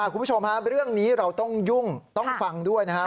คุณผู้ชมฮะเรื่องนี้เราต้องยุ่งต้องฟังด้วยนะครับ